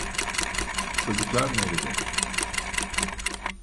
Çocuklar nerede?